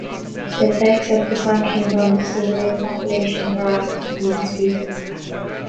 The effects of the sanctions on the civilian population of Iraq have been disputed.